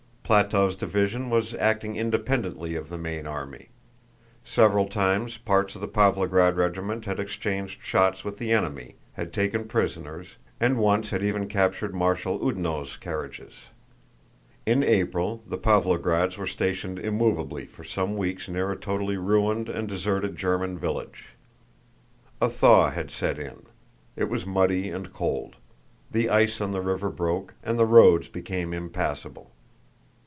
Plátov's division was acting independently of the main army. Several times parts of the Pávlograd regiment had exchanged shots with the enemy, had taken prisoners, and once had even captured Marshal Oudinot's carriages. In April the Pávlograds were stationed immovably for some weeks near a totally ruined and deserted German village. A thaw had set in, it was muddy and cold, the ice on the river broke, and the roads became impassable.